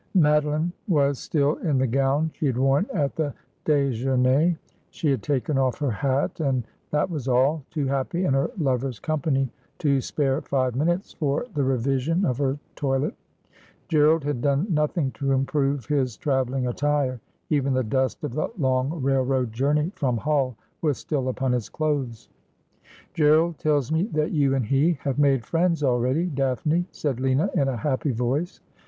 Madeline was still in the gown she had worn at the dejeuner. She had taken ofE her hat, and that was all, too happy in her lover's company to spare five minutes for the revision of her toilet. Gerald had done nothing to improve his travelling attire. Even the dust of the long railroad journey from Hull was still upon his clothes. 104 Asphodel. ' Gerald tells me that you and lie have made friends already, Daphne,' said Lina in a happy voice.